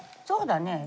そうだね。